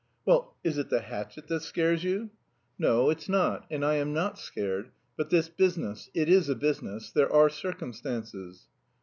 "Well, is it the hatchet that scares you?" "No, it's not... and I am not scared; but this business... it is a business; there are circumstances."